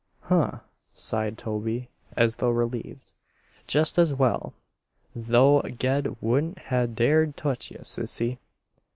"Huh!" sighed Toby, as though relieved. "Jest as well. Though Ged wouldn't ha' dared touch ye, Sissy."